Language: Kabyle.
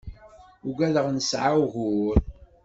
Ugadeɣ nesɛa ugur.